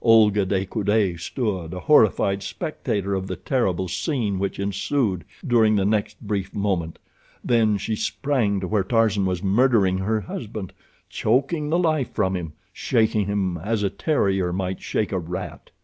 Olga de Coude stood a horrified spectator of the terrible scene which ensued during the next brief moment, then she sprang to where Tarzan was murdering her husband—choking the life from him—shaking him as a terrier might shake a rat.